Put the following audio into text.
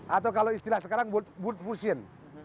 atau kalau istilah sekarang booth fusion